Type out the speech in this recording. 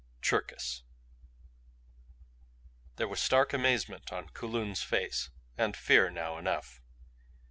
CHERKIS There was stark amazement on Kulun's face; and fear now enough.